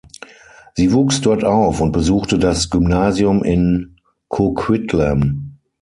Sie wuchs dort auf und besuchte das Gymnasium in Coquitlam.